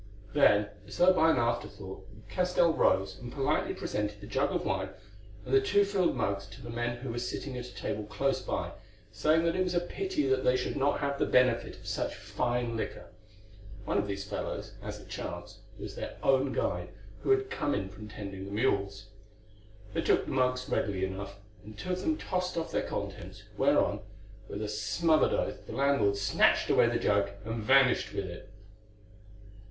Then, as though by an afterthought, Castell rose and politely presented the jug of wine and the two filled mugs to the men who were sitting at a table close by, saying that it was a pity that they should not have the benefit of such fine liquor. One of these fellows, as it chanced, was their own guide, who had come in from tending the mules. They took the mugs readily enough, and two of them tossed off their contents, whereon, with a smothered oath, the landlord snatched away the jug and vanished with it.